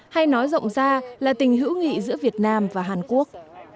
hay nói rộng ra là tình hữu nghị giữa việt nam và hàn quốc